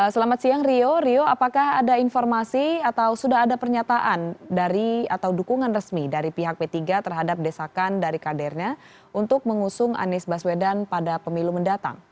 selamat siang rio rio apakah ada informasi atau sudah ada pernyataan dari atau dukungan resmi dari pihak p tiga terhadap desakan dari kadernya untuk mengusung anies baswedan pada pemilu mendatang